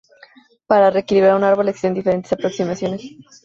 Para re-equilibrar un árbol existen diferentes aproximaciones.